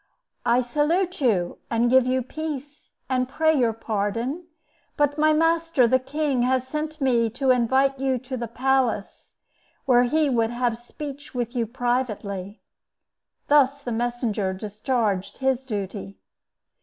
"I salute you, and give you peace, and pray your pardon; but my master, the king, has sent me to invite you to the palace, where he would have speech with you privately." Thus the messenger discharged his duty.